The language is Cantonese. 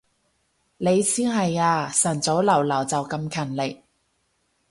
你先係啊，晨早流流就咁勤力